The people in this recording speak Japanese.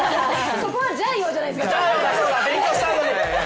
そこはジャイヨじゃないですか。